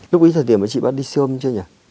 lúc ý thời điểm chị bắt đi xương chưa nhỉ